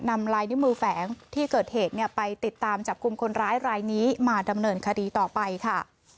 ลายนิ้วมือแฝงที่เกิดเหตุเนี่ยไปติดตามจับกลุ่มคนร้ายรายนี้มาดำเนินคดีต่อไปค่ะ